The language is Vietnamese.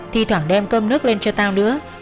thì thoảng đem cơm nước lên cho tao nữa